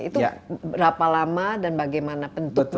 itu berapa lama dan bagaimana bentuknya